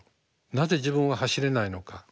なぜ自分は走れないのか。